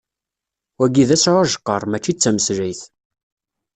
Wayi d asɛujqer, mačči d tameslayt.